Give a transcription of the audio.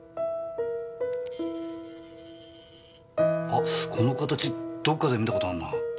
あこの形どっかで見た事あるなぁ。